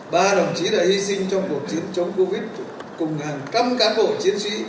các đồng chí đã hy sinh trong cuộc chiến chống covid một mươi chín cùng hàng trăm cán bộ chiến sĩ